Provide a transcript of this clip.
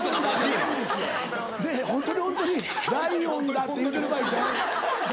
「ホントにホントにライオンだ」って言うてる場合ちゃう。